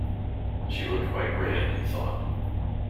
She looked quite grand, he thought.